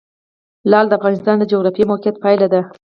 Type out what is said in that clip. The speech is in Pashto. لعل د افغانستان د جغرافیایي موقیعت پایله ده.